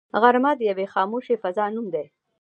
غرمه د یوې خاموشې فضا نوم دی